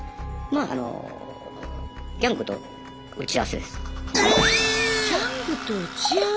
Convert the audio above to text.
まああのギャングと打ち合わせです。